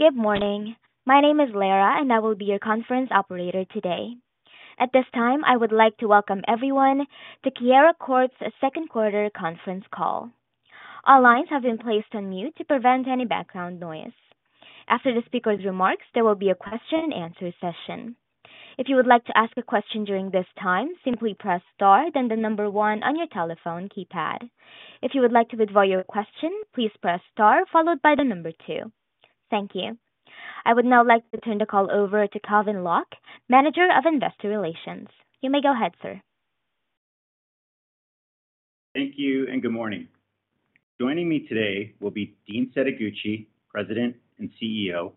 Good morning. My name is Lyra, and I will be your conference operator today. At this time, I would like to welcome everyone to Keyera Corp's Second Quarter Conference Call. All lines have been placed on mute to prevent any background noise. After the speaker's remarks, there will be a question-and-answer session. If you would like to ask a question during this time, simply press star, then the number one on your telephone keypad. If you would like to withdraw your question, please press star followed by the number two. Thank you. I would now like to turn the call over to Calvin Locke, Manager of Investor Relations. You may go ahead, sir. Thank you. Good morning. Joining me today will be Dean Setoguchi, President and CEO,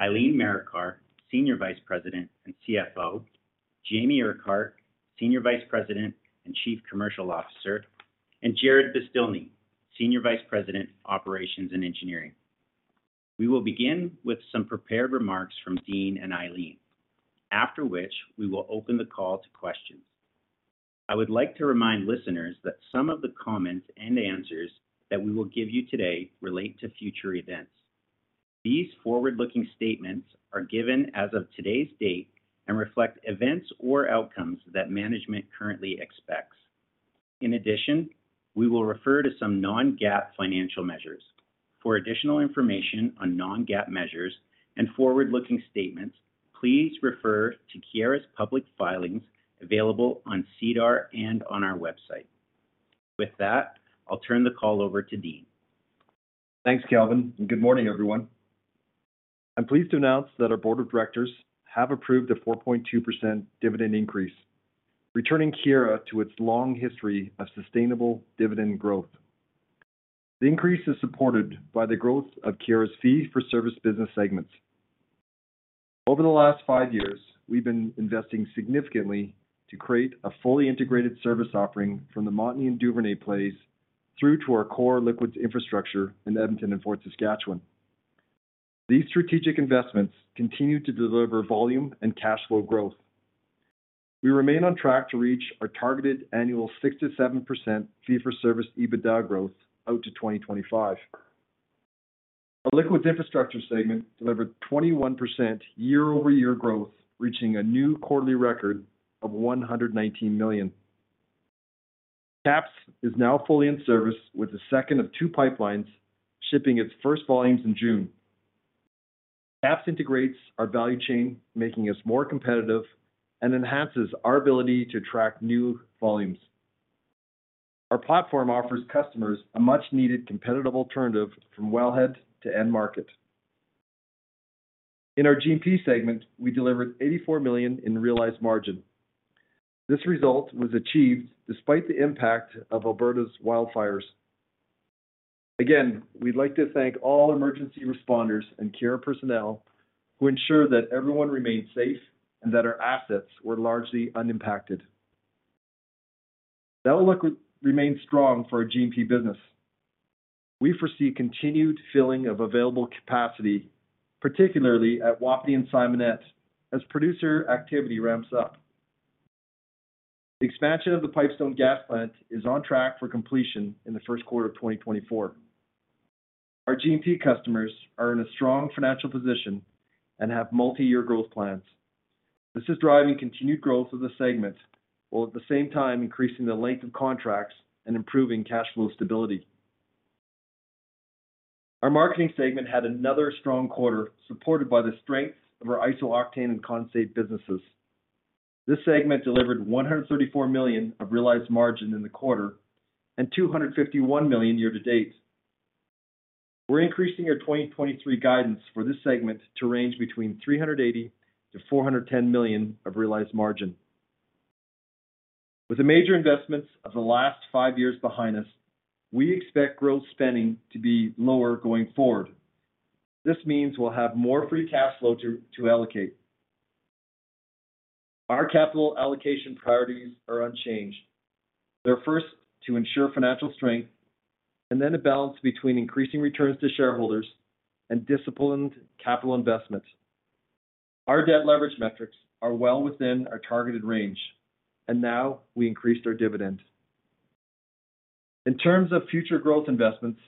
Eileen Marikar, Senior Vice President and CFO, Jamie Urquhart, Senior Vice President and Chief Commercial Officer, and Jarrod Beztilny, Senior Vice President, Operations and Engineering. We will begin with some prepared remarks from Dean and Eileen, after which we will open the call to questions. I would like to remind listeners that some of the comments and answers that we will give you today relate to future events. These forward-looking statements are given as of today's date and reflect events or outcomes that management currently expects. In addition, we will refer to some non-GAAP financial measures. For additional information on non-GAAP measures and forward-looking statements, please refer to Keyera's public filings available on SEDAR and on our website. With that, I'll turn the call over to Dean. Thanks, Calvin. Good morning, everyone. I'm pleased to announce that our board of directors have approved a 4.2% dividend increase, returning Keyera to its long history of sustainable dividend growth. The increase is supported by the growth of Keyera's fee-for-service business segments. Over the last five years, we've been investing significantly to create a fully integrated service offering from the Montney and Duvernay plays through to our core liquids infrastructure in Edmonton and Fort Saskatchewan. These strategic investments continue to deliver volume and cash flow growth. We remain on track to reach our targeted annual 6%-7% fee-for-service EBITDA growth out to 2025. Our liquids infrastructure segment delivered 21% year-over-year growth, reaching a new quarterly record of 119 million. KAPS is now fully in service, with the second of two pipelines shipping its first volumes in June. KAPS integrates our value chain, making us more competitive and enhances our ability to attract new volumes. Our platform offers customers a much-needed competitive alternative from wellhead to end market. In our G&P segment, we delivered 84 million in realized margin. This result was achieved despite the impact of Alberta's wildfires. Again, we'd like to thank all emergency responders and Keyera personnel who ensured that everyone remained safe and that our assets were largely unimpacted. That liquid remains strong for our G&P business. We foresee continued filling of available capacity, particularly at Wapiti and Simonette, as producer activity ramps up. The expansion of the Pipestone gas plant is on track for completion in the first quarter of 2024. Our G&P customers are in a strong financial position and have multi-year growth plans. This is driving continued growth of the segment, while at the same time increasing the length of contracts and improving cash flow stability. Our marketing segment had another strong quarter, supported by the strength of our iso-octane and condensate businesses. This segment delivered 134 million of realized margin in the quarter and 251 million year to date. We're increasing our 2023 guidance for this segment to range between 380 million-410 million of realized margin. With the major investments of the last five years behind us, we expect growth spending to be lower going forward. This means we'll have more free cash flow to allocate. Our capital allocation priorities are unchanged. They're first to ensure financial strength and then a balance between increasing returns to shareholders and disciplined capital investments. Our debt leverage metrics are well within our targeted range. Now we increased our dividend. In terms of future growth investments,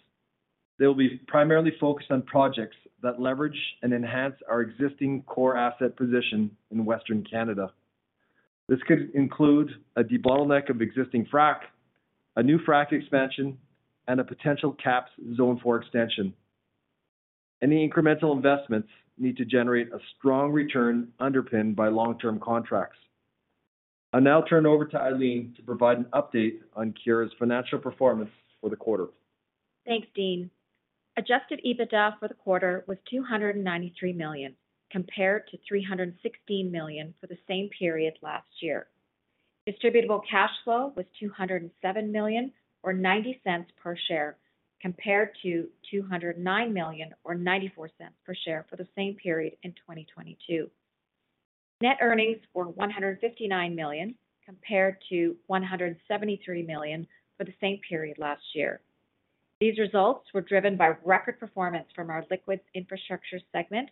they will be primarily focused on projects that leverage and enhance our existing core asset position in Western Canada. This could include a debottleneck of existing frac, a new frac expansion, and a potential KAPS Zone 4 extension. Any incremental investments need to generate a strong return underpinned by long-term contracts. I'll now turn it over to Eileen to provide an update on Keyera's financial performance for the quarter. Thanks, Dean. Adjusted EBITDA for the quarter was 293 million, compared to 316 million for the same period last year. Distributable cash flow was 207 million, or 0.90 per share, compared to 209 million or 0.94 per share for the same period in 2022. Net earnings were 159 million, compared to 173 million for the same period last year. These results were driven by record performance from our liquids infrastructure segment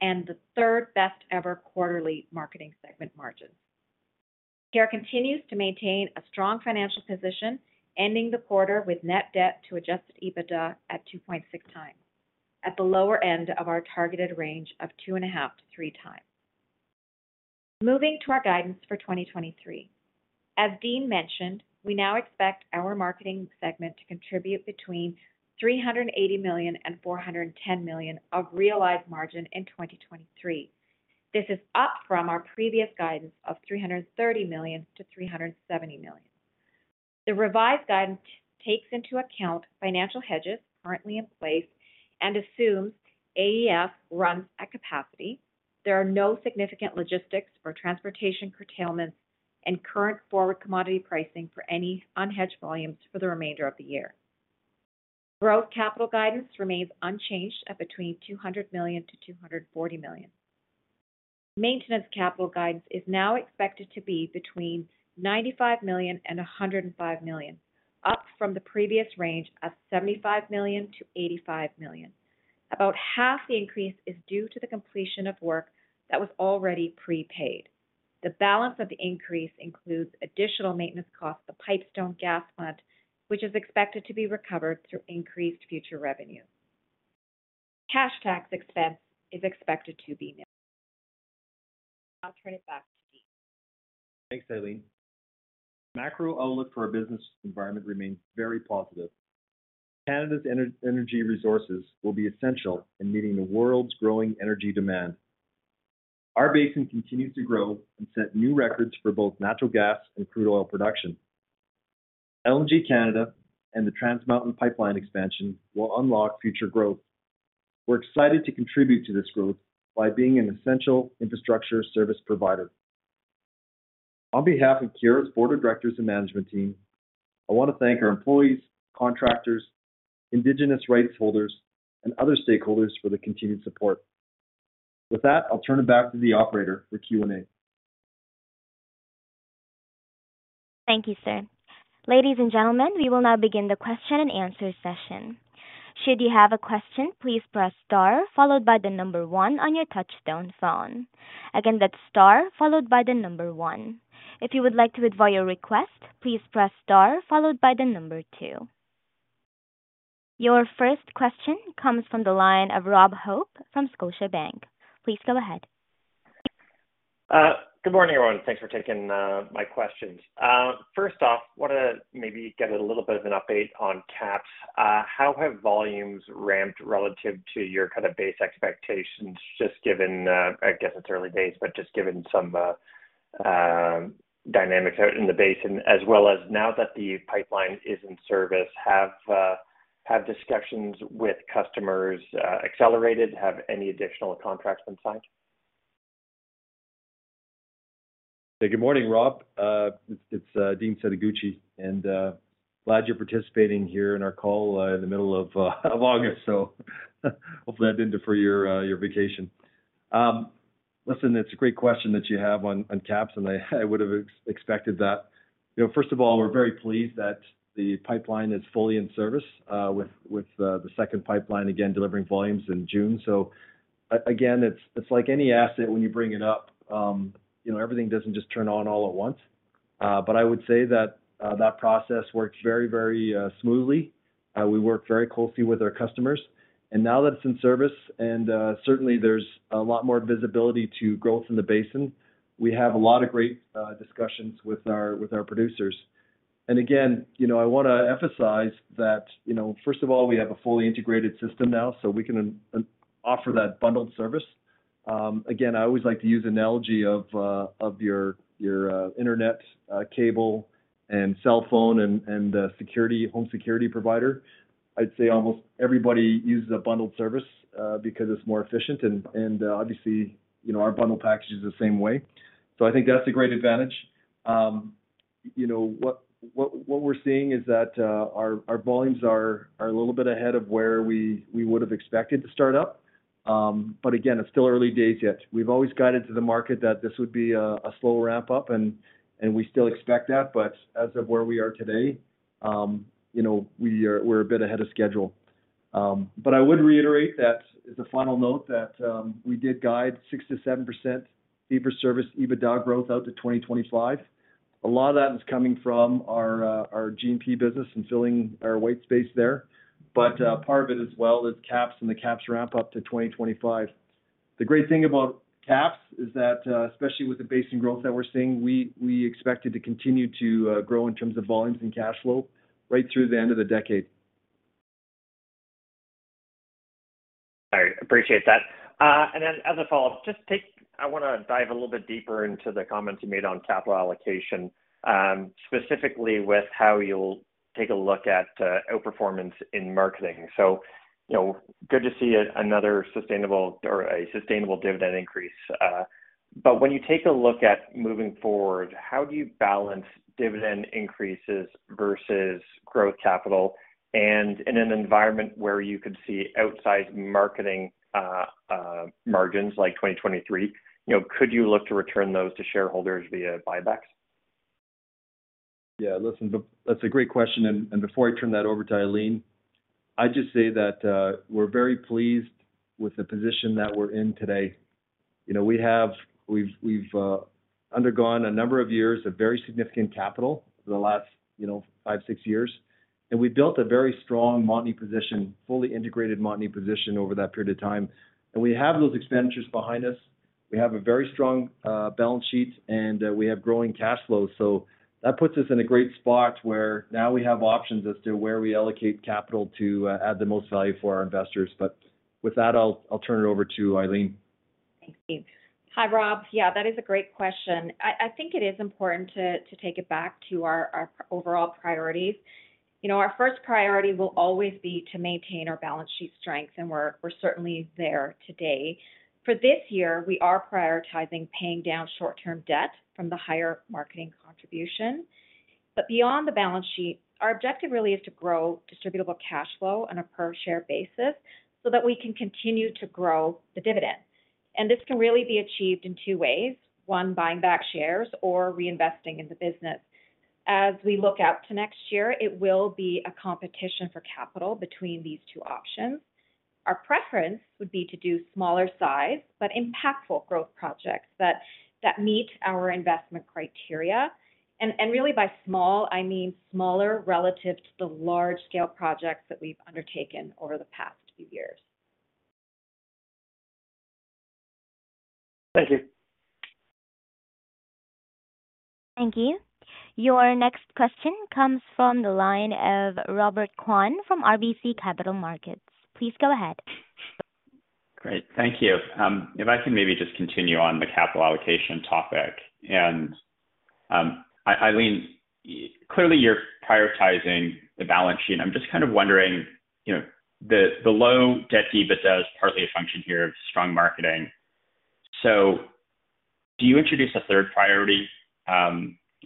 and the third-best-ever quarterly marketing segment margins. Keyera continues to maintain a strong financial position, ending the quarter with net debt to Adjusted EBITDA at 2.6x, at the lower end of our targeted range of 2.5x-3x. Our guidance for 2023. As Dean mentioned, we now expect our marketing segment to contribute between 380 million and 410 million of realized margin in 2023. This is up from our previous guidance of 330 million-370 million. The revised guidance takes into account financial hedges currently in place and assumes AEF runs at capacity. There are no significant logistics or transportation curtailments and current forward commodity pricing for any unhedged volumes for the remainder of the year. Growth capital guidance remains unchanged at CAD 200 million-CAD 240 million. Maintenance capital guidance is now expected to be between CAD 95 million and CAD 105 million, up from the previous range of CAD 75 million-CAD 85 million. About half the increase is due to the completion of work that was already prepaid. The balance of the increase includes additional maintenance costs, the Pipestone Gas Plant, which is expected to be recovered through increased future revenue. Cash tax expense is expected to be nil. I'll turn it back to Dean. Thanks, Eileen. Macro outlook for our business environment remains very positive. Canada's energy resources will be essential in meeting the world's growing energy demand. Our basin continues to grow and set new records for both natural gas and crude oil production. LNG Canada and the Trans Mountain pipeline expansion will unlock future growth. We're excited to contribute to this growth by being an essential infrastructure service provider. On behalf of Keyera's Board of Directors and management team, I want to thank our employees, contractors, indigenous rights holders, and other stakeholders for their continued support. That, I'll turn it back to the operator for Q&A. Thank you, sir. Ladies and gentlemen, we will now begin the question and answer session. Should you have a question, please press star followed by one on your touchtone phone. Again, that's star followed by one. If you would like to withdraw your request, please press star followed by two. Your first question comes from the line of Rob Hope from Scotiabank. Please go ahead. Good morning, everyone. Thanks for taking my questions. First off, want to maybe get a little bit of an update on KAPS. How have volumes ramped relative to your kind of base expectations, just given, I guess it's early days, but just given some dynamics out in the basin, as well as now that the pipeline is in service, have discussions with customers accelerated? Have any additional contracts been signed? Good morning, Rob. It's Dean Setoguchi, and glad you're participating here in our call in the middle of August. Hopefully I didn't defer your vacation. Listen, it's a great question that you have on, on KAPS, and I, I would have expected that. You know, first of all, we're very pleased that the pipeline is fully in service with, with the second pipeline again, delivering volumes in June. Again, it's, it's like any asset when you bring it up, you know, everything doesn't just turn on all at once. I would say that that process works very, very smoothly. We work very closely with our customers, now that it's in service, and certainly there's a lot more visibility to growth in the basin, we have a lot of great discussions with our, with our producers. Again, you know, I wanna emphasize that, you know, first of all, we have a fully integrated system now, so we can offer that bundled service. Again, I always like to use analogy of, of your, your, internet, cable and cellphone and, and, security, home security provider. I'd say almost everybody uses a bundled service, because it's more efficient and, and, obviously, you know, our bundle package is the same way. I think that's a great advantage. You know, what we're seeing is that our volumes are a little bit ahead of where we would have expected to start up. Again, it's still early days yet. We've always guided to the market that this would be a slow ramp-up, and we still expect that, but as of where we are today, you know, we're a bit ahead of schedule. I would reiterate that, as a final note, that we did guide 6%-7% deeper service, EBITDA growth out to 2025. A lot of that is coming from our G&P business and filling our white space there, but part of it as well is KAPS and the KAPS ramp up to 2025. The great thing about KAPS is that, especially with the basin growth that we're seeing, we, we expect it to continue to grow in terms of volumes and cash flow right through the end of the decade. All right, appreciate that. Then as a follow-up, just take. I wanna dive a little bit deeper into the comments you made on capital allocation, specifically with how you'll take a look at outperformance in marketing. You know, good to see another sustainable or a sustainable dividend increase. When you take a look at moving forward, how do you balance dividend increases versus growth capital? In an environment where you could see outsized marketing margins like 2023, you know, could you look to return those to shareholders via buybacks? Yeah, listen, that's a great question, and, and before I turn that over to Eileen, I'd just say that we're very pleased with the position that we're in today. You know, we have-- we've, we've undergone a number of years of very significant capital for the last, you know, five, six years, and we've built a very strong Montney position, fully integrated Montney position over that period of time. We have those expenditures behind us. We have a very strong balance sheet, and we have growing cash flows. That puts us in a great spot where now we have options as to where we allocate capital to add the most value for our investors. With that, I'll, I'll turn it over to Eileen. Thanks, Dean. Hi, Rob. Yeah, that is a great question. I, I think it is important to, to take it back to our, our overall priorities. You know, our first priority will always be to maintain our balance sheet strength, and we're, we're certainly there today. For this year, we are prioritizing paying down short-term debt from the higher marketing contribution. Beyond the balance sheet, our objective really is to grow distributable cash flow on a per share basis so that we can continue to grow the dividend. This can really be achieved in two ways: one, buying back shares or reinvesting in the business. As we look out to next year, it will be a competition for capital between these two options. Our preference would be to do smaller size, but impactful growth projects that, that meet our investment criteria. Really by small, I mean smaller relative to the large-scale projects that we've undertaken over the past few years. Thank you. Thank you. Your next question comes from the line of Robert Kwan from RBC Capital Markets. Please go ahead. Great. Thank you. If I can maybe just continue on the capital allocation topic. And Eileen, clearly, you're prioritizing the balance sheet. I'm just kind of wondering, you know, the, the low debt EBITDA is partly a function here of strong marketing. So do you introduce a third priority,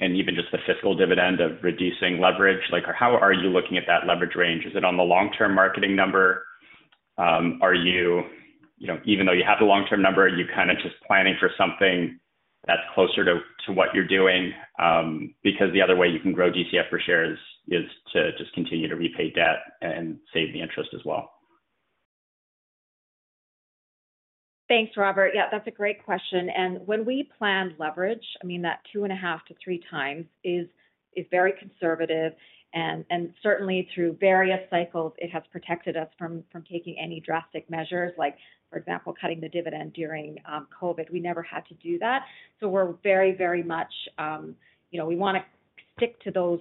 and even just the fiscal dividend of reducing leverage? Like, how are you looking at that leverage range? Is it on the long-term marketing number? Are you, you know, even though you have the long-term number, are you kinda just planning for something that's closer to, to what you're doing? Because the other way you can grow DCF for shares is to just continue to repay debt and save the interest as well. Thanks, Robert. Yeah, that's a great question. When we planned leverage, I mean, that 2.5x-3x times is, is very conservative, and, and certainly through various cycles, it has protected us from, from taking any drastic measures, like, for example, cutting the dividend during COVID. We never had to do that, so we're very, very much, you know, we wanna stick to those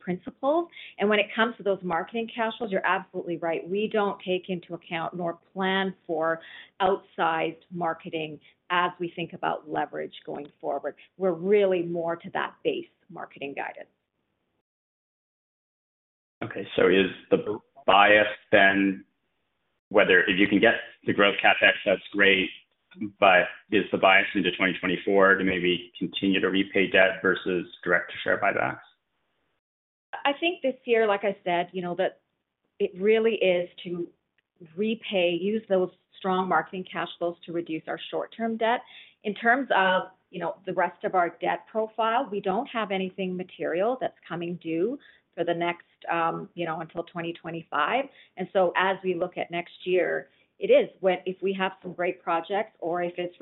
principles. When it comes to those marketing cash flows, you're absolutely right. We don't take into account nor plan for outsized marketing as we think about leverage going forward. We're really more to that base marketing guidance. Is the bias then, whether if you can get the growth CapEx, that's great, but is the bias into 2024 to maybe continue to repay debt versus direct to share buybacks? I think this year, like I said, you know, that it really is to repay, use those strong marketing cash flows to reduce our short-term debt. In terms of, you know, the rest of our debt profile, we don't have anything material that's coming due for the next, you know, until 2025. As we look at next year, it is if we have some great projects or if it's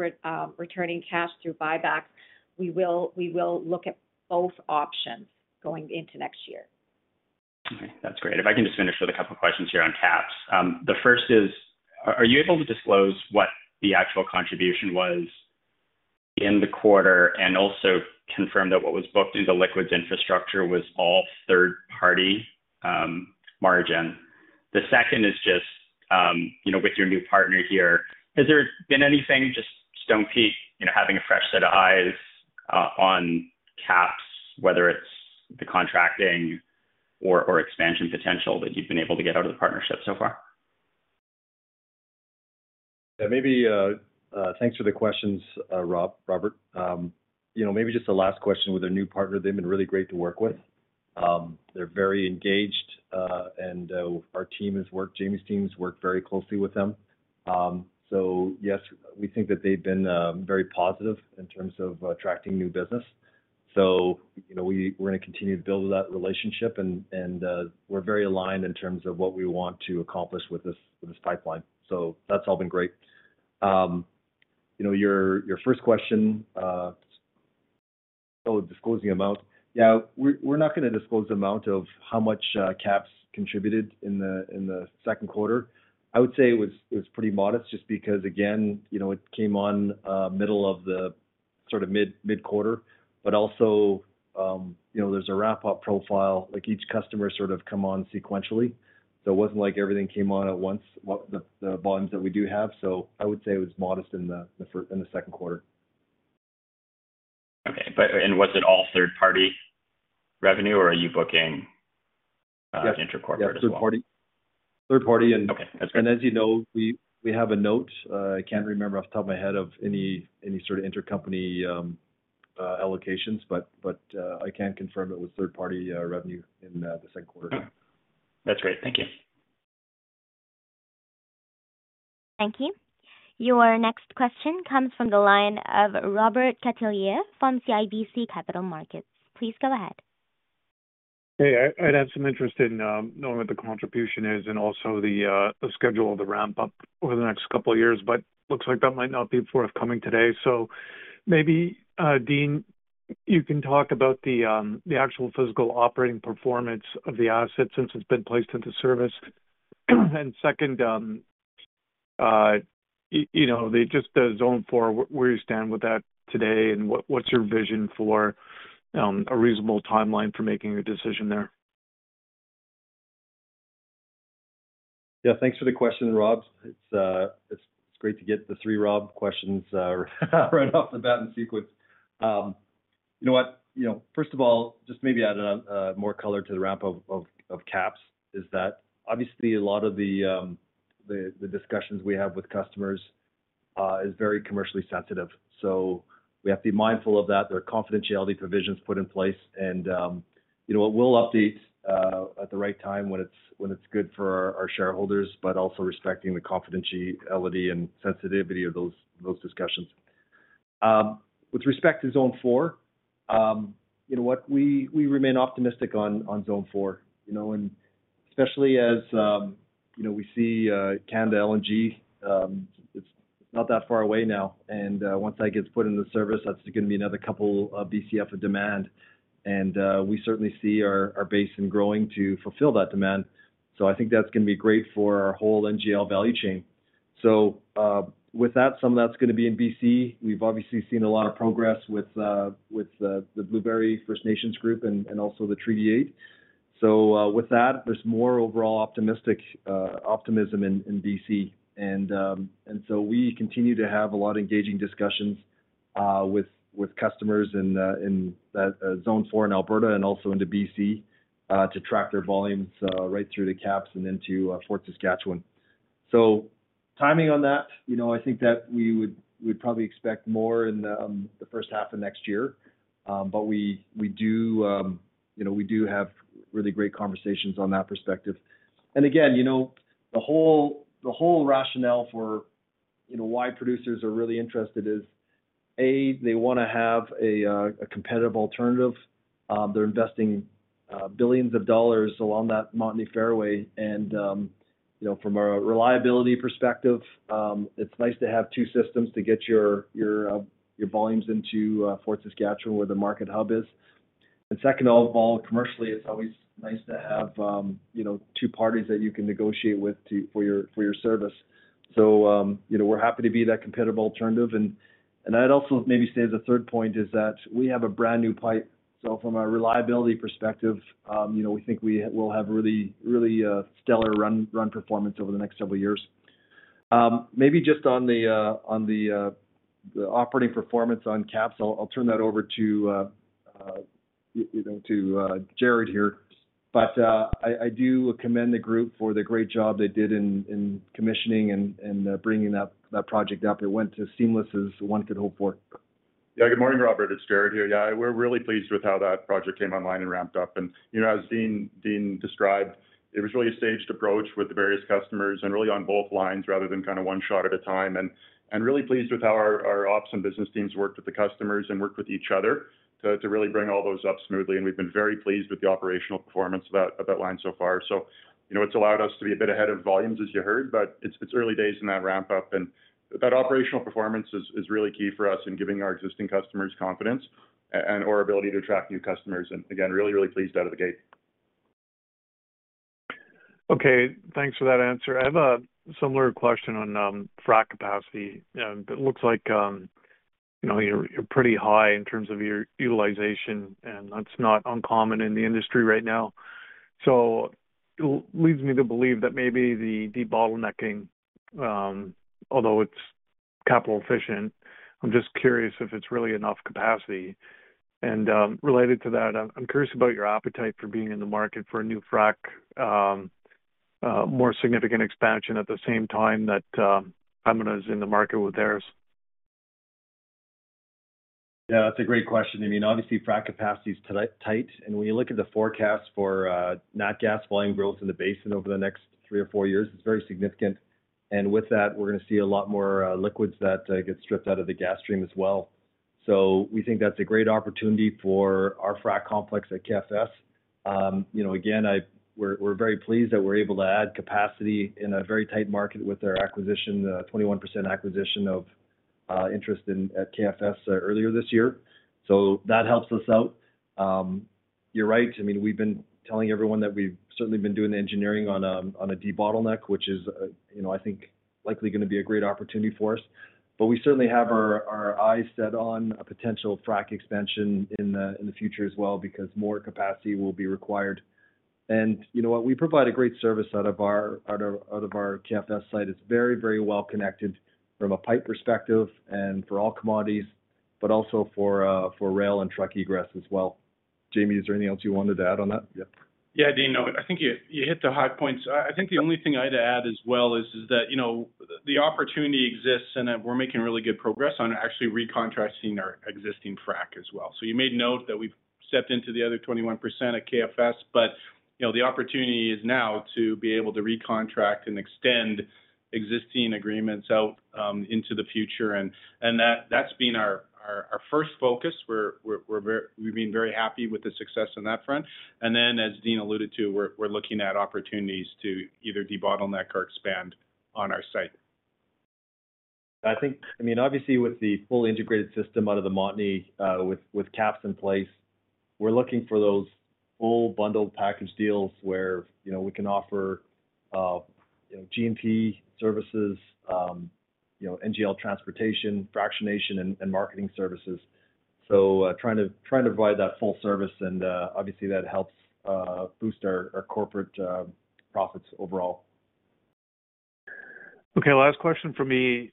returning cash through buybacks, we will, we will look at both options going into next year. Okay, that's great. If I can just finish with a couple of questions here on KAPS. The first is, are you able to disclose what the actual contribution was in the quarter and also confirm that what was booked in the liquids infrastructure was all third-party margin? The second is just, you know, with your new partner here, has there been anything, just Stonepeak, you know, having a fresh set of eyes on KAPS, whether it's the contracting or, or expansion potential, that you've been able to get out of the partnership so far? Yeah, maybe, thanks for the questions, Rob, Robert. You know, maybe just the last question with our new partner, they've been really great to work with. They're very engaged, and Jamie's teams work very closely with them. Yes, we think that they've been very positive in terms of attracting new business. You know, we're gonna continue to build that relationship, and we're very aligned in terms of what we want to accomplish with this, this pipeline. That's all been great. You know, your, your first question, so disclosing amount. Yeah, we're not gonna disclose the amount of how much KAPS contributed in the second quarter. I would say it was, it was pretty modest just because, again, you know, it came on, middle of the sort of mid, mid-quarter, but also, you know, there's a wrap-up profile, like each customer sort of come on sequentially. It wasn't like everything came on at once, the, the volumes that we do have. I would say it was modest in the second quarter. Okay. Was it all third-party revenue, or are you booking intercorporate as well? Yes. Yeah, third party. Third party. Okay, that's great. As you know, we, we have a note, I can't remember off the top of my head of any, any sort of intercompany, allocations, but, but, I can confirm it was third-party, revenue in, the second quarter. That's great. Thank you. Thank you. Your next question comes from the line of Robert Catellier from CIBC Capital Markets. Please go ahead. Hey, I, I'd have some interest in knowing what the contribution is and also the schedule of the ramp-up over the next couple of years, looks like that might not be forthcoming today. Maybe Dean, you can talk about the actual physical operating performance of the asset since it's been placed into service. Second, you know, just the Zone 4, where do you stand with that today? What's your vision for a reasonable timeline for making a decision there? Yeah, thanks for the question, Rob. It's, it's, it's great to get the three Rob questions right off the bat in sequence. You know what? You know, first of all, just maybe add more color to the ramp of KAPS, is that obviously a lot of the, the, the discussions we have with customers is very commercially sensitive, so we have to be mindful of that. There are confidentiality provisions put in place, and, you know, we'll update at the right time when it's, when it's good for our, our shareholders, but also respecting the confidentiality and sensitivity of those, those discussions. With respect to Zone 4, you know what? We, we remain optimistic on, on Zone 4, you know, and especially as, you know, we see LNG Canada, it's not that far away now, and once that gets put into service, that's gonna be another couple of BCF of demand. We certainly see our, our basin growing to fulfill that demand. I think that's gonna be great for our whole NGL value chain. With that, some of that's gonna be in BC. We've obviously seen a lot of progress with, with the, the Blueberry River First Nations and also the Treaty 8. With that, there's more overall optimistic optimism in, in BC. So we continue to have a lot of engaging discussions with customers in the, in that Zone 4 in Alberta and also into BC to track their volumes right through the KAPS and into Fort Saskatchewan. Timing on that, you know, I think that we'd probably expect more in the first half of next year. We do, you know, we do have really great conversations on that perspective. Again, you know, the whole, the whole rationale for, you know, why producers are really interested is, A, they wanna have a competitive alternative. They're investing billions of dollars along that Montney Fairway. You know, from a reliability perspective, it's nice to have two systems to get your, your, your volumes into Fort Saskatchewan, where the market hub is. Second of all, commercially, it's always nice to have, you know, two parties that you can negotiate with to for your, for your service. You know, we're happy to be that competitive alternative. I'd also maybe say the third point is that we have a brand-new pipe. From a reliability perspective, you know, we think we, we'll have really, really stellar run, run performance over the next several years. Maybe just on the operating performance on KAPS, I'll, I'll turn that over to, you know, to Jarrod here. I, I do commend the group for the great job they did in, in commissioning and, and, bringing that, that project up. It went as seamless as one could hope for. Yeah. Good morning, Robert. It's Jarrod here. We're really pleased with how that project came online and ramped up. You know, as Dean, Dean described, it was really a staged approach with the various customers and really on both lines, rather than kind of one shot at a time. And really pleased with how our, our ops and business teams worked with the customers and worked with each other to, to really bring all those up smoothly. We've been very pleased with the operational performance of that, of that line so far. You know, it's allowed us to be a bit ahead of volumes, as you heard, but it's, it's early days in that ramp-up, and that operational performance is, is really key for us in giving our existing customers confidence and/or ability to attract new customers. Again, really, really pleased out of the gate. Okay. Thanks for that answer. I have a similar question on frack capacity. It looks like, you know, you're, you're pretty high in terms of your utilization, and that's not uncommon in the industry right now. It leads me to believe that maybe the debottlenecking, although it's capital efficient, I'm just curious if it's really enough capacity. Related to that, I'm, I'm curious about your appetite for being in the market for a new frack, more significant expansion at the same time that Pembina is in the market with theirs. Yeah, that's a great question. I mean, obviously, frack capacity is tight, tight, and when you look at the forecast for not gas volume growth in the basin over the next three or four years, it's very significant. With that, we're gonna see a lot more liquids that get stripped out of the gas stream as well. We think that's a great opportunity for our frack complex at KFS. You know, again, we're very pleased that we're able to add capacity in a very tight market with our acquisition, 21% acquisition of interest in, at KFS earlier this year. That helps us out. You're right. I mean, we've been telling everyone that we've certainly been doing the engineering on, on a debottleneck, which is, you know, I think likely gonna be a great opportunity for us. We certainly have our, our eyes set on a potential frack expansion in the, in the future as well, because more capacity will be required. You know what? We provide a great service out of our, out of, out of our KFS site. It's very, very well connected from a pipe perspective and for all commodities, but also for, for rail and truck egress as well. Jamie, is there anything else you wanted to add on that? Yeah. Yeah, Dean, no, I think you, you hit the high points. I think the only thing I'd add as well is that, you know, the opportunity exists, and that we're making really good progress on actually recontracting our existing frack as well. You made note that we've stepped into the other 21% at KFS, but, you know, the opportunity is now to be able to recontract and extend existing agreements out, into the future, and that's been our first focus. We've been very happy with the success on that front. Then, as Dean alluded to, we're looking at opportunities to either debottleneck or expand on our site. I think, I mean, obviously, with the fully integrated system out of the Montney, with KAPS in place, we're looking for those full bundled package deals where, you know, we can offer, you know, G&P services, you know, NGL transportation, fractionation, and marketing services. Trying to provide that full service and, obviously, that helps boost our corporate profits overall. Okay, last question from me,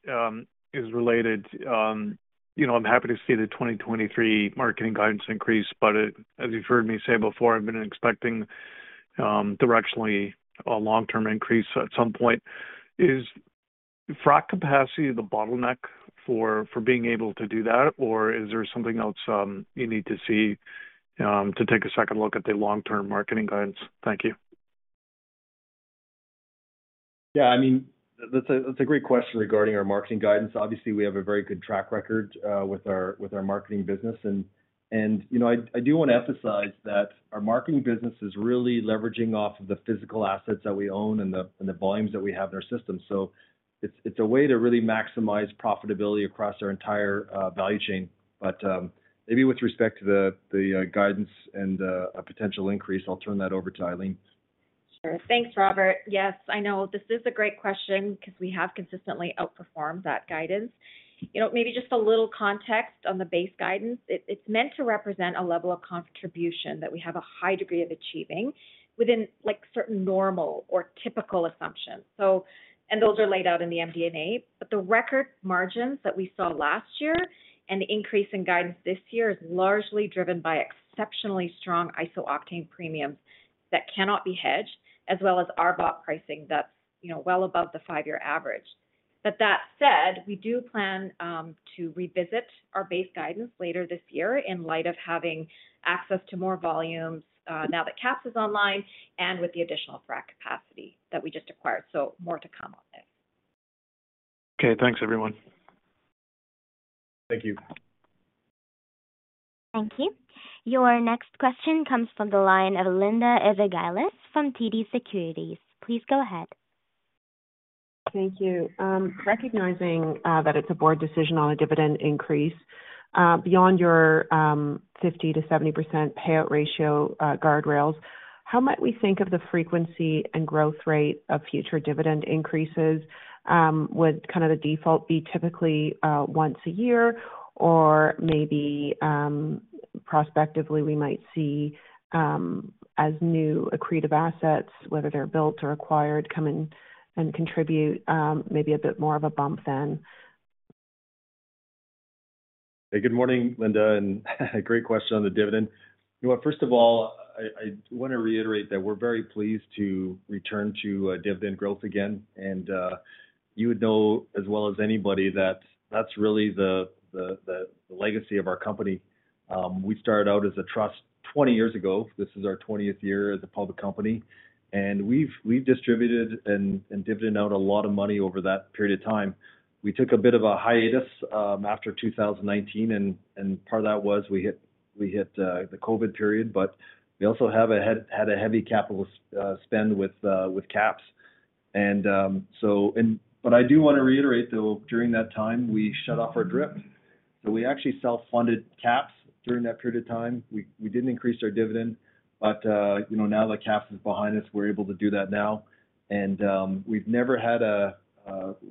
you know, I'm happy to see the 2023 marketing guidance increase, but as you've heard me say before, I've been expecting, directionally, a long-term increase at some point. Is frac capacity the bottleneck for, for being able to do that, or is there something else, you need to see, to take a second look at the long-term marketing guidance? Thank you. Yeah, I mean, that's a great question regarding our marketing guidance. Obviously, we have a very good track record, with our, with our marketing business. You know, I, I do want to emphasize that our marketing business is really leveraging off of the physical assets that we own and the, and the volumes that we have in our system. It's, it's a way to really maximize profitability across our entire, value chain. Maybe with respect to the, the, guidance and, a potential increase, I'll turn that over to Eileen. Sure. Thanks, Robert. Yes, I know this is a great question because we have consistently outperformed that guidance. You know, maybe just a little context on the base guidance. It's meant to represent a level of contribution that we have a high degree of achieving within, like, certain normal or typical assumptions. Those are laid out in the MD&A. The record margins that we saw last year and the increase in guidance this year is largely driven by exceptionally strong iso-octane premiums that cannot be hedged, as well as RBOB pricing that's, you know, well above the five-year average. That said, we do plan to revisit our base guidance later this year in light of having access to more volumes now that KAPS is online and with the additional frac capacity that we just acquired. More to come on this. Okay, thanks, everyone. Thank you. Thank you. Your next question comes from the line of Linda Ezergailis from TD Securities. Please go ahead. Thank you. Recognizing that it's a board decision on a dividend increase, beyond your 50%-70% payout ratio guardrails, how might we think of the frequency and growth rate of future dividend increases? Would kind of the default be typically once a year, or maybe prospectively, we might see as new accretive assets, whether they're built or acquired, come in and contribute, maybe a bit more of a bump then? Hey, good morning, Linda, and great question on the dividend. You know what? First of all, I, I want to reiterate that we're very pleased to return to dividend growth again. You would know as well as anybody that that's really the, the, the legacy of our company. We started out as a trust 20 years ago. This is our 20th year as a public company, and we've, we've distributed and, and divvied out a lot of money over that period of time. We took a bit of a hiatus after 2019, and part of that was we hit, we hit the COVID period, but we also had a heavy capital spend with KAPS. But I do want to reiterate, though, during that time, we shut off our DRIP, so we actually self-funded KAPS during that period of time. We, we didn't increase our dividend, but, you know, now that KAPS is behind us, we're able to do that now. We've never had a,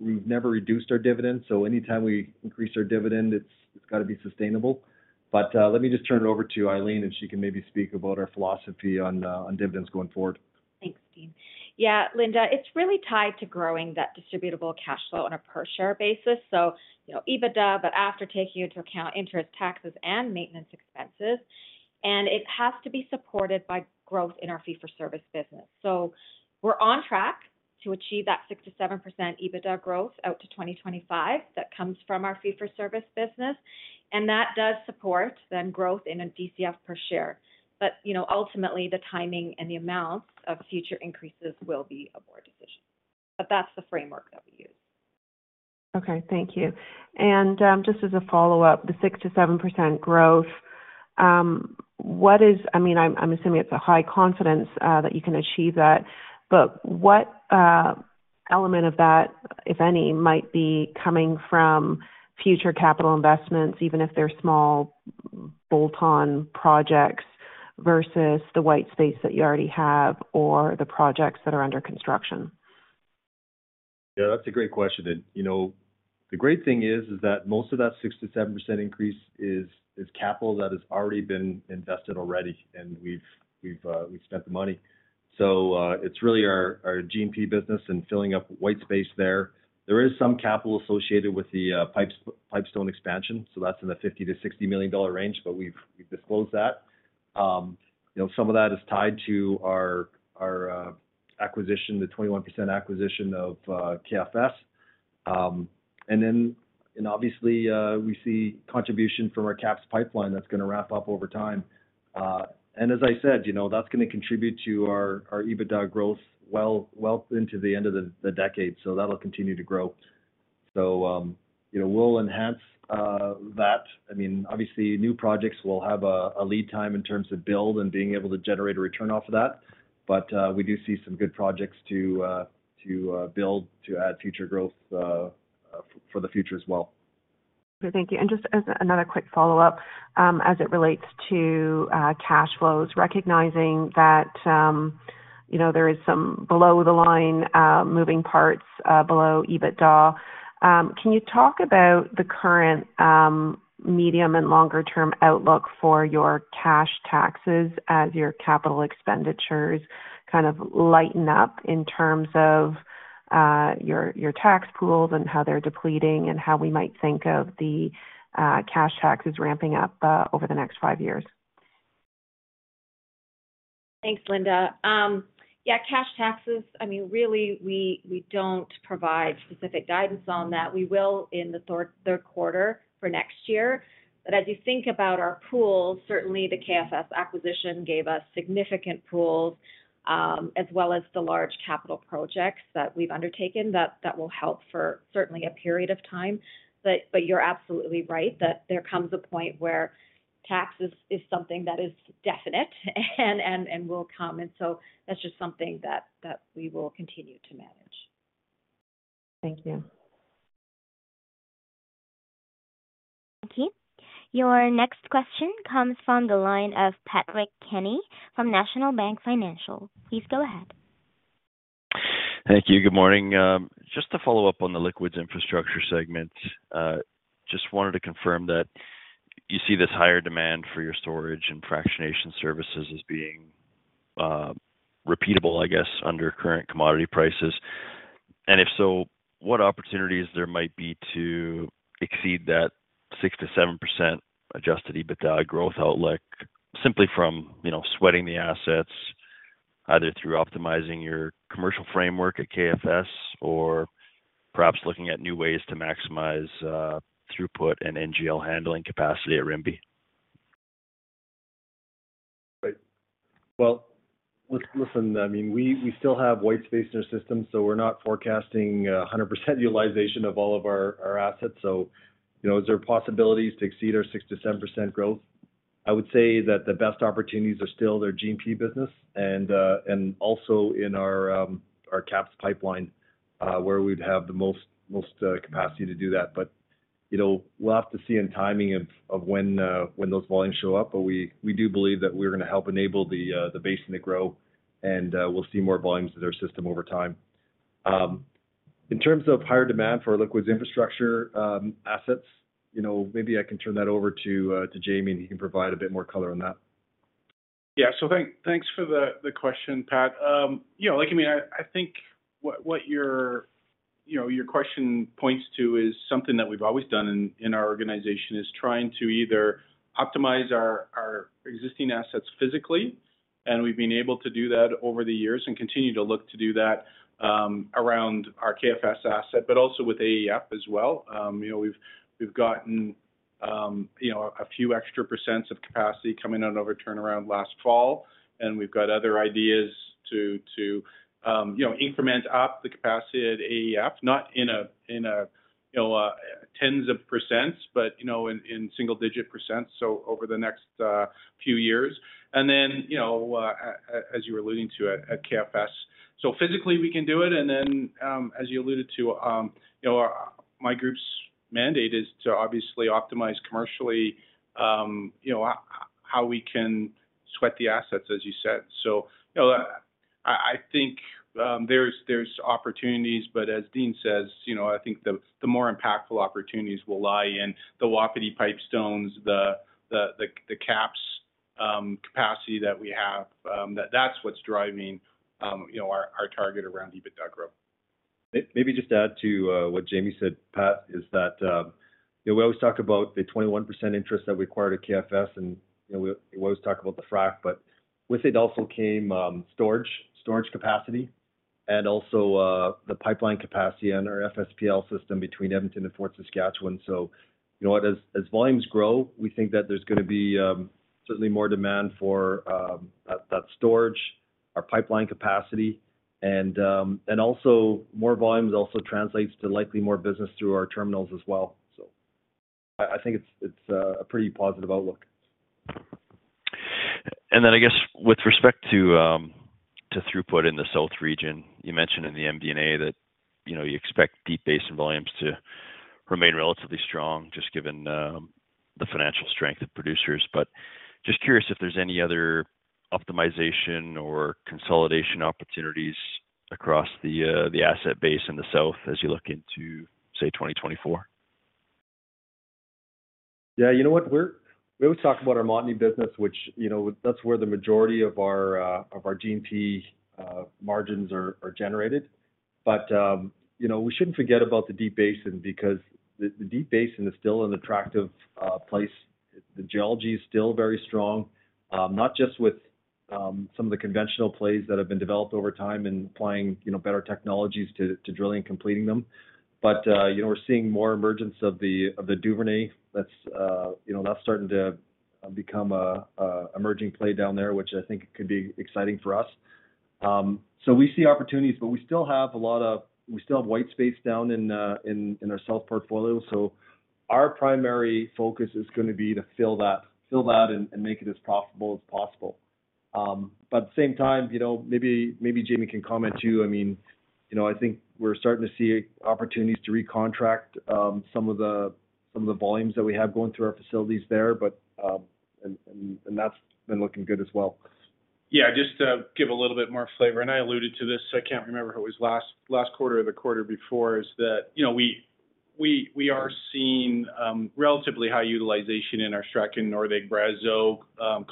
we've never reduced our dividend, so anytime we increase our dividend, it's, it's got to be sustainable. Let me just turn it over to Eileen, and she can maybe speak about our philosophy on dividends going forward. Thanks, Dean. Yeah, Linda, it's really tied to growing that distributable cash flow on a per-share basis. you know, EBITDA, but after taking into account interest, taxes, and maintenance expenses. It has to be supported by growth in our fee-for-service business. We're on track to achieve that 6%-7% EBITDA growth out to 2025. That comes from our fee-for-service business. That does support then growth in a DCF per share. you know, ultimately, the timing and the amounts of future increases will be a board decision, that's the framework that we use. Okay. Thank you. Just as a follow-up, the 6%-7% growth, I mean, I'm, I'm assuming it's a high confidence that you can achieve that, but what element of that, if any, might be coming from future capital investments, even if they're small bolt-on projects, versus the white space that you already have or the projects that are under construction? Yeah, that's a great question. You know, the great thing is, is that most of that 6%-7% increase is, is capital that has already been invested already, and we've, we've, we've spent the money. It's really our, our G&P business and filling up white space there. There is some capital associated with the Pipestone expansion, so that's in the $50 million-$60 million range, but we've, we've disclosed that. You know, some of that is tied to our, our acquisition, the 21% acquisition of KFS. And obviously, we see contribution from our KAPS pipeline that's gonna wrap up over time. As I said, you know, that's gonna contribute to our, our EBITDA growth well, well into the end of the decade, that'll continue to grow. You know, we'll enhance that. I mean, obviously, new projects will have a lead time in terms of build and being able to generate a return off of that, we do see some good projects to to build, to add future growth for the future as well. Thank you. Just as another quick follow-up, as it relates to cash flows, recognizing that, you know, there is some below the line moving parts below EBITDA, can you talk about the current medium and longer term outlook for your cash taxes as your capital expenditures kind of lighten up in terms of your, your tax pools and how they're depleting, and how we might think of the cash taxes ramping up over the next five years? Thanks, Linda. Yeah, cash taxes, I mean, really, we, we don't provide specific guidance on that. We will in the third quarter for next year. As you think about our pools, certainly the KFS acquisition gave us significant pools, as well as the large capital projects that we've undertaken, that will help for certainly a period of time. You're absolutely right, that there comes a point where taxes is something that is definite and will come. That's just something that we will continue to manage. Thank you. Thank you. Your next question comes from the line of Patrick Kenny from National Bank Financial. Please go ahead. Thank you. Good morning. Just to follow up on the liquids infrastructure segment, just wanted to confirm that you see this higher demand for your storage and fractionation services as being repeatable, I guess, under current commodity prices. If so, what opportunities there might be to exceed that 6%-7% Adjusted EBITDA growth outlook simply from, you know, sweating the assets, either through optimizing your commercial framework at KFS or perhaps looking at new ways to maximize throughput and NGL handling capacity at Rimbey? Right. Well, listen, I mean, we, we still have white space in our system, we're not forecasting, 100% utilization of all of our, our assets. You know, is there possibilities to exceed our 6%-7% growth? I would say that the best opportunities are still their G&P business and also in our KAPS pipeline, where we'd have the most, most, capacity to do that. You know, we'll have to see in timing of, of when, when those volumes show up, but we, we do believe that we're gonna help enable the basin to grow, and, we'll see more volumes through our system over time. In terms of higher demand for our liquids infrastructure, assets, you know, maybe I can turn that over to Jamie, and he can provide a bit more color on that. Yeah. Thank- thanks for the question, Pat. You know, like, I mean, I, I think what, what your, you know, your question points to is something that we've always done in our organization, is trying to either optimize our existing assets physically, and we've been able to do that over the years and continue to look to do that around our KFS asset, but also with AEF as well. You know, we've, we've gotten, you know, a few extra percent of capacity coming out of our turnaround last fall, and we've got other ideas to, to, you know, increment up the capacity at AEF, not in a, in a, you know, 10s of percents, but, you know, in, in single digit percent, so over the next few years. You know, as you were alluding to at KFS. Physically, we can do it, and then, as you alluded to, you know, my group's mandate is to obviously optimize commercially, you know, how we can sweat the assets, as you said. You know, I think there's, there's opportunities, but as Dean says, you know, I think the more impactful opportunities will lie in the Wapiti Pipestone, the KAPS capacity that we have, that, that's what's driving, you know, our target around EBITDA growth. Maybe just add to what Jamie said, Pat, is that, you know, we always talk about the 21% interest that we acquired at KFS, and, you know, we always talk about the frack, but with it also came storage, storage capacity and also the pipeline capacity on our FSPL system between Edmonton and Fort Saskatchewan. You know what? As, as volumes grow, we think that there's gonna be certainly more demand for that, that storage, our pipeline capacity, and also more volumes also translates to likely more business through our terminals as well. I, I think it's, it's a pretty positive outlook. Then, I guess, with respect to, to throughput in the South Region, you mentioned in the MD&A that, you know, you expect Deep Basin volumes to remain relatively strong, just given the financial strength of producers. Just curious if there's any other optimization or consolidation opportunities across the asset base in the south as you look into, say, 2024? Yeah, you know what? We're we always talk about our Montney business, which, you know, that's where the majority of our of our G&P margins are generated. You know, we shouldn't forget about the Deep Basin, because the Deep Basin is still an attractive place. The geology is still very strong, not just with some of the conventional plays that have been developed over time and applying, you know, better technologies to drilling and completing them. You know, we're seeing more emergence of the Duvernay that's, you know, that's starting to become a emerging play down there, which I think could be exciting for us. We see opportunities, but we still have a lot of we still have white space down in, in our south portfolio. Our primary focus is gonna be to fill that, fill that and, and make it as profitable as possible. But at the same time, you know, maybe, maybe Jamie can comment too. I mean, you know, I think we're starting to see opportunities to recontract, some of the, some of the volumes that we have going through our facilities there, but, and, and, and that's been looking good as well. Yeah, just to give a little bit more flavor, and I alluded to this, I can't remember if it was last, last quarter or the quarter before, is that, you know, we, we, we are seeing, relatively high utilization in our Strachan North Brazeau,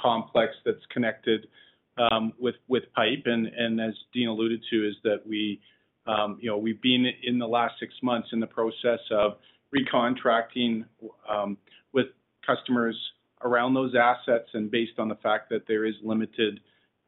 complex that's connected, with, with pipe. As Dean alluded to, is that we, you know, we've been, in the last six months, in the process of recontracting, with customers around those assets and based on the fact that there is limited,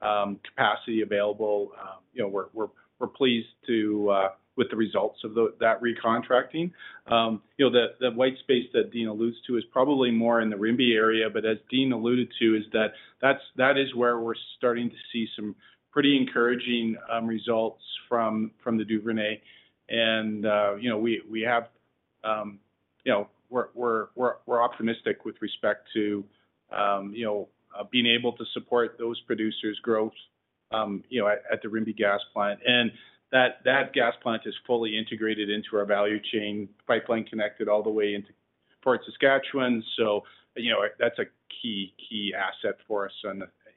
capacity available, you know, we're, we're, we're pleased to, with the results of that recontracting. You know, the, that white space that Dean alludes to is probably more in the Rimbey area, but as Dean alluded to, is that, that's, that is where we're starting to see some pretty encouraging results from, from the Duvernay. You know, we, we have, you know, we're, we're, we're, we're optimistic with respect to, you know, being able to support those producers' growth, you know, at, at the Rimbey gas plant. That, that gas plant is fully integrated into our value chain, pipeline connected all the way into Fort Saskatchewan. You know, that's a key, key asset for us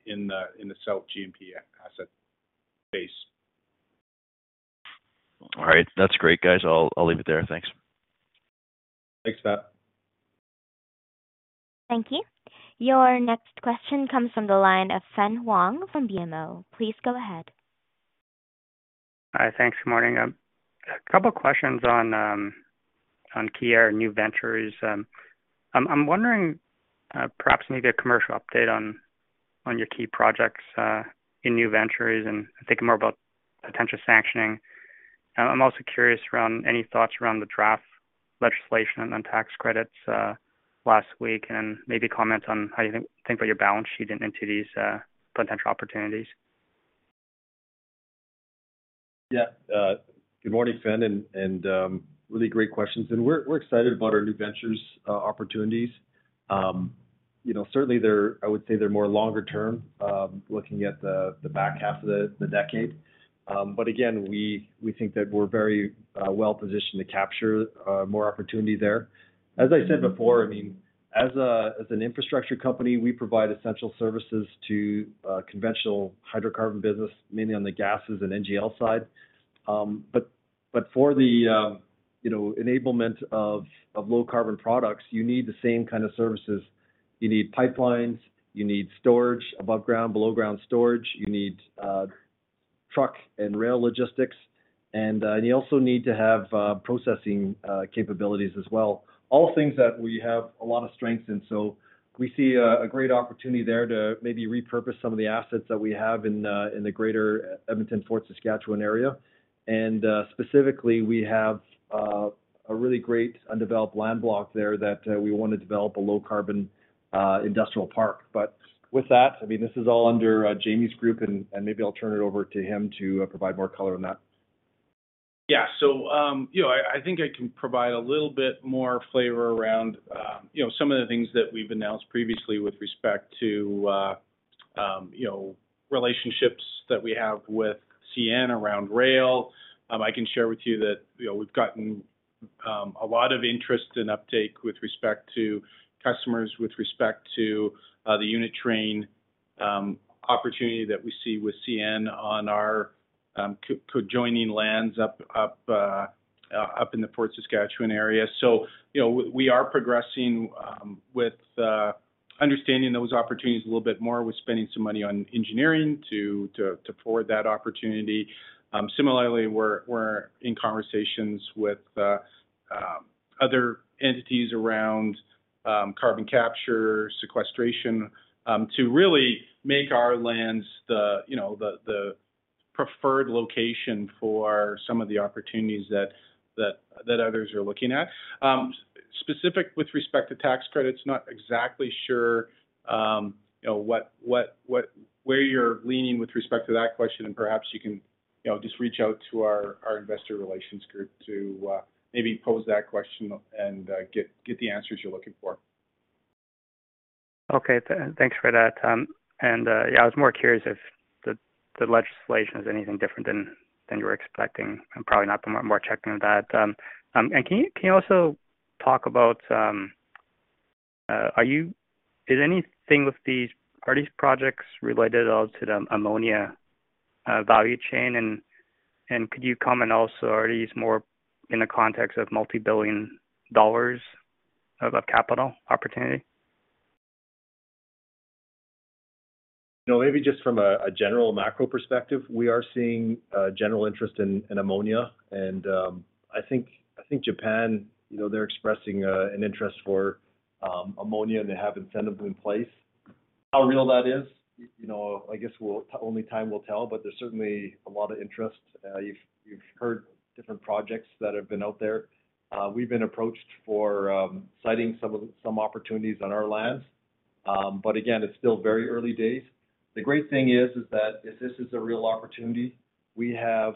in the, in the south G&P asset base. All right. That's great, guys. I'll, I'll leave it there. Thanks. Thanks, Pat. Thank you. Your next question comes from the line of Fong Huang from BMO. Please go ahead. Hi, thanks. Good morning. A couple of questions on key new ventures. I'm wondering, perhaps maybe a commercial update on your key projects in new ventures, and I'm thinking more about potential sanctioning. I'm also curious around any thoughts around the draft legislation on tax credits last week, and maybe comment on how you think about your balance sheet into these potential opportunities. Yeah, good morning, Fong, and, really great questions. We're excited about our new ventures, opportunities. You know, certainly I would say they're more longer term, looking at the back half of the decade. Again, we think that we're very, well-positioned to capture, more opportunity there. As I said before, I mean, as an infrastructure company, we provide essential services to, conventional hydrocarbon business, mainly on the gases and NGL side. For the, you know, enablement of low carbon products, you need the same kind of services. You need pipelines, you need storage, above ground, below ground storage, you need, truck and rail logistics, and, you also need to have, processing, capabilities as well. All things that we have a lot of strengths in. We see a great opportunity there to maybe repurpose some of the assets that we have in the greater Edmonton, Fort Saskatchewan area. Specifically, we have a really great undeveloped land block there that we wanna develop a low carbon industrial park. With that, I mean, this is all under Jamie's group, and, and maybe I'll turn it over to him to provide more color on that. Yeah. You know, I, I think I can provide a little bit more flavor around, you know, some of the things that we've announced previously with respect to, you know, relationships that we have with CN around rail. I can share with you that, you know, we've gotten a lot of interest and uptake with respect to customers, with respect to the unit train opportunity that we see with CN on our co- conjoining lands up, up, up in the Fort Saskatchewan area. You know, we, we are progressing with understanding those opportunities a little bit more. We're spending some money on engineering to, to, to forward that opportunity. Similarly, we're, we're in conversations with other entities around carbon capture sequestration, to really make our lands the, you know, the, the preferred location for some of the opportunities that, that, that others are looking at. Specific with respect to tax credits, not exactly sure, you know, what, what, what-- where you're leaning with respect to that question. Perhaps you can, you know, just reach out to our, our investor relations group to maybe pose that question and get, get the answers you're looking for. Okay, thanks for that. Yeah, I was more curious if the legislation is anything different than you were expecting, and probably not, but more checking on that. Can you also talk about, are you-- is anything with these parties projects related at all to the ammonia value chain? Could you comment also, are these more in the context of multi-billion dollars of capital opportunity? You know, maybe just from a general macro perspective, we are seeing general interest in ammonia. I think, I think Japan, you know, they're expressing an interest for ammonia, and they have incentives in place. How real that is? You know, I guess only time will tell, but there's certainly a lot of interest. You've heard different projects that have been out there. We've been approached for siting some opportunities on our lands. Again, it's still very early days. The great thing is, is that if this is a real opportunity, we have,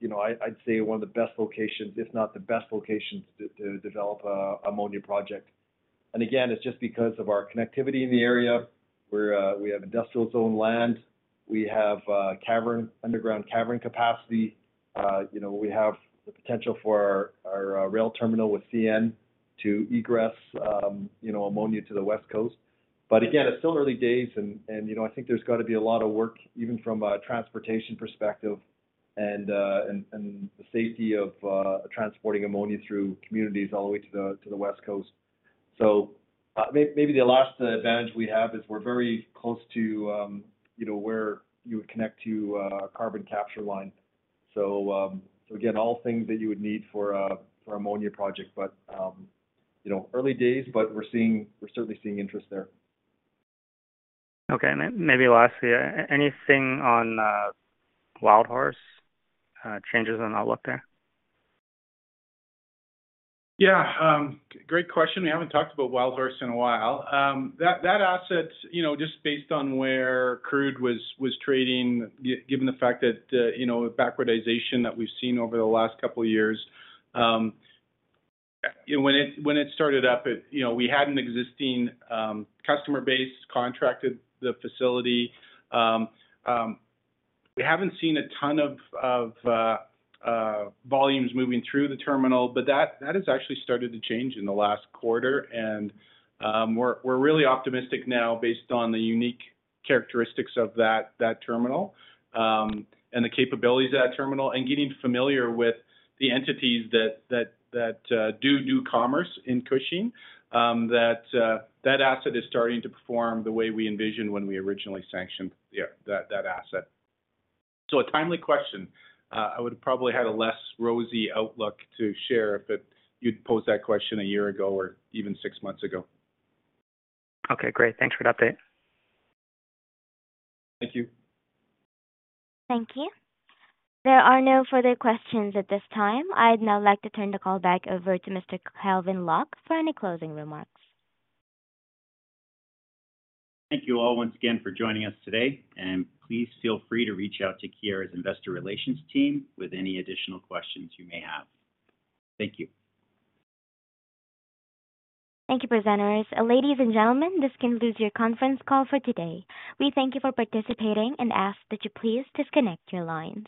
you know, I'd say, one of the best locations, if not the best locations, to develop an ammonia project. Again, it's just because of our connectivity in the area, where we have industrial zone land, we have cavern, underground cavern capacity. You know, we have the potential for our, our, rail terminal with CN to egress, you know, ammonia to the West Coast. Again, it's still early days and, and, you know, I think there's got to be a lot of work, even from a transportation perspective and, and, the safety of transporting ammonia through communities all the way to the West Coast. Maybe the last advantage we have is we're very close to, you know, where you would connect to a carbon capture line. Again, all things that you would need for a, for ammonia project. You know, early days, but we're seeing. We're certainly seeing interest there. Okay. Then maybe lastly, anything on Wildhorse, changes on outlook there? Yeah, great question. We haven't talked about Wildhorse in a while. That, that asset, you know, just based on where crude was, was trading, given the fact that, you know, backwardization that we've seen over the last couple of years. You know, when it, when it started up, it. You know, we had an existing customer base contracted the facility. We haven't seen a ton of, of volumes moving through the terminal, but that, that has actually started to change in the last quarter. We're, we're really optimistic now based on the unique characteristics of that, that terminal, and the capabilities of that terminal, and getting familiar with the entities that, that, that do do commerce in Cushing. That, that asset is starting to perform the way we envisioned when we originally sanctioned, yeah, that, that asset. A timely question. I would have probably had a less rosy outlook to share if you'd posed that question a year ago or even six months ago. Okay, great. Thanks for the update. Thank you. Thank you. There are no further questions at this time. I'd now like to turn the call back over to Mr. Calvin Locke for any closing remarks. Thank you all once again for joining us today. Please feel free to reach out to Keyera's Investor Relations team with any additional questions you may have. Thank you. Thank you, presenters. Ladies and gentlemen, this concludes your conference call for today. We thank you for participating and ask that you please disconnect your lines.